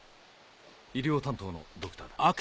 医療担当のドクターだ。